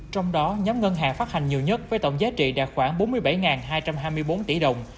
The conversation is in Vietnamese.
trong đó nhóm ngân hàng phát hành nhiều nhất với tổng giá trị đạt khoảng bốn mươi bảy hai trăm hai mươi bốn tỷ đồng